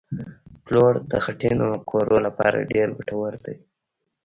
پلوړ د خټینو کورو لپاره ډېر ګټور دي